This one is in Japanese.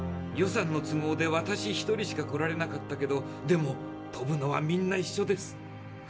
予算の都合で私一人しか来られなかったけどでも飛ぶのはみんな一緒です。